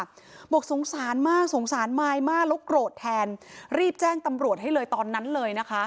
บอกสงสารมากสงสารมายมากแล้วโกรธแทนรีบแจ้งตำรวจให้เลยตอนนั้นเลยนะคะ